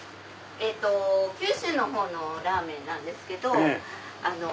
九州のほうのラーメンなんですけど。